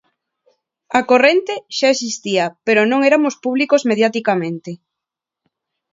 A corrente xa existía, pero non eramos públicos mediaticamente.